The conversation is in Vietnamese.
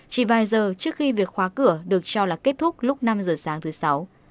chỉ vài giờ trước khi việc khóa cửa được cho là kết thúc lúc năm giờ sáng thứ sáu